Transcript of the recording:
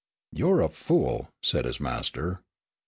"You're a fool!" said his master.